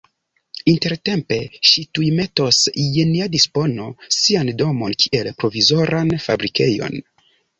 Intertempe ŝi tuj metos je nia dispono sian domon kiel provizoran fabrikejon.